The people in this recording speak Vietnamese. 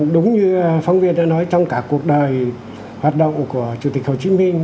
đúng như phóng viên đã nói trong cả cuộc đời hoạt động của chủ tịch hồ chí minh